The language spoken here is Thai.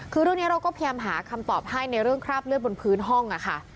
คือเรื่องนี้เราก็พยายามหาคำตอบให้ในเรื่องคราบเลือดบนพื้นห้องค่ะ